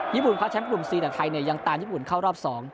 ญี่ปุ่นพลัดแชมป์กลุ่มสี่แต่ไทยเนี่ยยังตามญี่ปุ่นเข้ารอบสอง